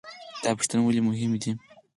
دا پوښتنې ولې مهمې دي؟